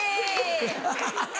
アハハハ！